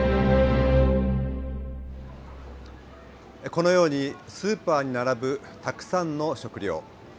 このようにスーパーに並ぶたくさんの食料。